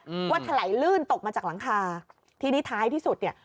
อืมว่าถลายลื่นตกมาจากหลังคาทีนี้ท้ายที่สุดเนี้ย